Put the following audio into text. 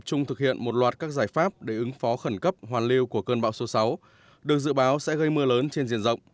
trung thực hiện một loạt các giải pháp để ứng phó khẩn cấp hoàn lưu của cơn bão số sáu được dự báo sẽ gây mưa lớn trên diện rộng